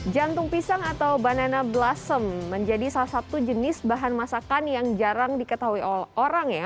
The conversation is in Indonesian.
jantung pisang atau banana blossom menjadi salah satu jenis bahan masakan yang jarang diketahui orang ya